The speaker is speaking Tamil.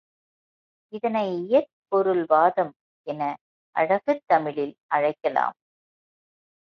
இதனை இயற் பொருள் வாதம் என அழகு தமிழில் அழைக்கலாம்.